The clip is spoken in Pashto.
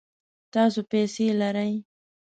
تاسو پیسې لرئ؟